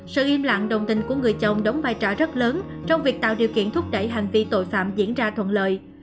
sự im lặng đồng tình của người chồng đóng vai trò rất lớn trong việc tạo điều kiện thúc đẩy hành vi tội phạm diễn ra thuận lợi